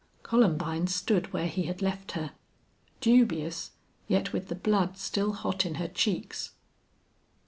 Columbine stood where he had left her: dubious, yet with the blood still hot in her cheeks.